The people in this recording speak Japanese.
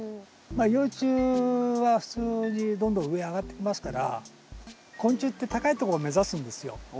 まあ幼虫は普通にどんどん上へ上がってきますから昆虫って高いとこを目指すんですよ。